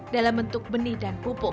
dalam bentuk benih dan pupuk